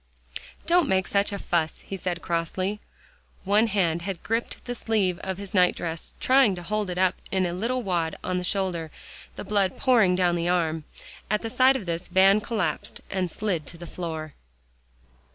"Don't make such a fuss," he said crossly. One hand had gripped the sleeve of his night dress, trying to hold it up in a little wad on the shoulder, the blood pouring down the arm. At sight of this, Van collapsed and slid to the floor.